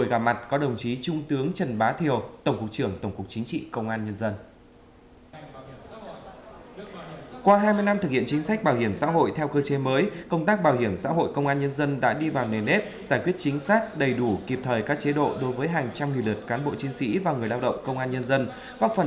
gặp mặt có đồng chí trung tướng trần bá thiều tổng cục trưởng tổng cục chính trị công an nhân dân